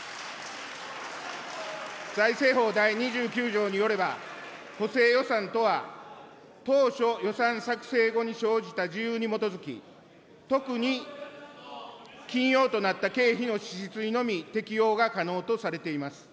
財政法第２９条によれば、補正予算とは、当初、予算作成後に生じた事由に基づき、特に緊要となった経費の支出にのみ適用が可能とされています。